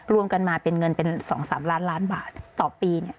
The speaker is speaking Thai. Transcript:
รวมกันมาเป็นเงินเป็น๒๓ล้านล้านบาทต่อปี